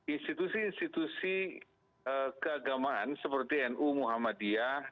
institusi institusi keagamaan seperti nu muhammadiyah